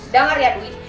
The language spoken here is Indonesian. dengar ya dwi